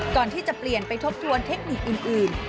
ก่อนที่จะเปลี่ยนไปทบทวนเทคนิคอื่น